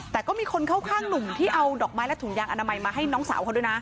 แต่ก็มีคนเข้าข้างหนุ่มที่เอาดอกไม้และถุงยางอนามัยมาให้น้องสาวเขาด้วยนะ